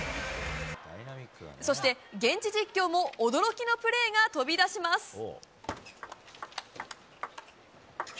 そして現地実況も驚きのプレーが飛び出します！